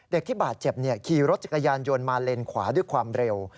ที่บาดเจ็บขี่รถจักรยานยนต์มาเลนขวาด้วยความเร็ว